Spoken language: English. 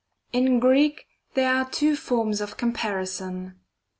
In Greek there are two forms of comparison.